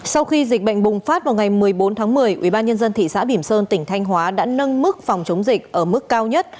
sau khi dịch bệnh bùng phát vào ngày một mươi bốn tháng một mươi ubnd thị xã bỉm sơn tỉnh thanh hóa đã nâng mức phòng chống dịch ở mức cao nhất